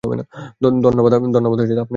ধন্যবাদ আপনাকে, স্যার।